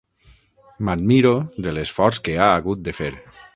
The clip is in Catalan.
M'admiro de l'esforç que ha hagut de fer.